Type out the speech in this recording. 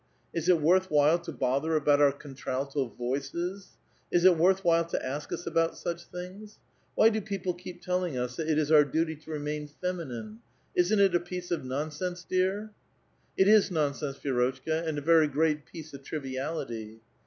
Is it worth while to ,' bother about our contralto voices ? Is it worth while to ask ; US about such things ? Why do people keep telling us that i ; it is our duty to remain feminine? Isn't it a piece of non ■' sense, dear?" '* It is nonsense, Vi^rotchka, and a very great piece of "triviality."